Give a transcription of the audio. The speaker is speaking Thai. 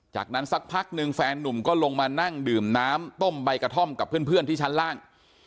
จากนั้นสักพักนึงแฟนนุ่มก็ลงมานั่งดื่มน้ำต้มใบกระท่อมกับเพื่อนที่ชั้นล่าง